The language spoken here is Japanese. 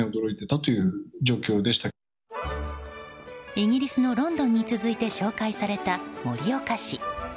イギリスのロンドンに続いて紹介された盛岡市。